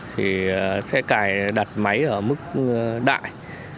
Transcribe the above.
thì sẽ cài đặt máy ở mức đại